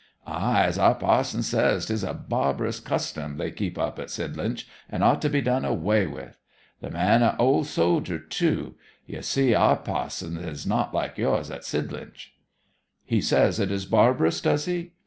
'Ay, as our pa'son says, 'tis a barbarous custom they keep up at Sidlinch, and ought to be done away wi'. The man a' old soldier, too. You see, our pa'son is not like yours at Sidlinch.' 'He says it is barbarous, does he?